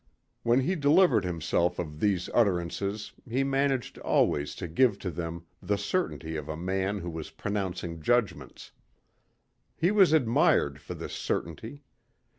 When he delivered himself of these utterances he managed always to give to them the certainty of a man who was pronouncing judgments. He was admired for this certainty.